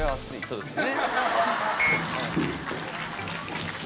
そうですね。